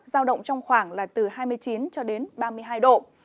giao động trong khoảng là từ hai mươi chín cho đến ba mươi hai độ